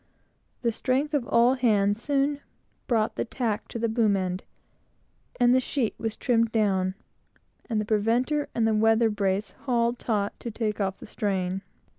The strength of all hands soon brought the tack to the boom end, and the sheet was trimmed down, and the preventer and the weather brace hauled taut to take off the strain.